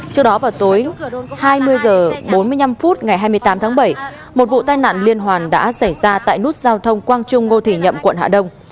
trước đó vào tối hai mươi h bốn mươi năm phút ngày hai mươi tám tháng bảy một vụ tai nạn liên hoàn đã xảy ra tại nút giao thông quang trung ngô thị nhậm quận hà đông